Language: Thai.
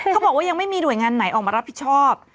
เขาบอกว่ายังไม่มีหน่วยงานไหนออกมารับผิดชอบ